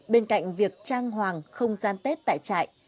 bên cạnh việc trang hoàng không gian tết tại trại